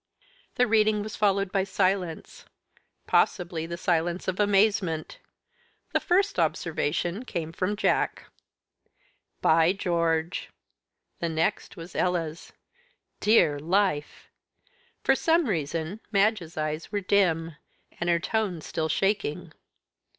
The reading was followed by silence, possibly the silence of amazement. The first observation came from Jack. "By George!" The next was Ella's. "Dear life!" For some reason, Madge's eyes were dim, and her tone still shaking.